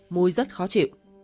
mùi rất khó chịu